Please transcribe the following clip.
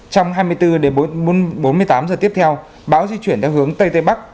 trong hai mươi bốn đến bốn mươi tám giờ tiếp theo bão di chuyển theo hướng tây tây bắc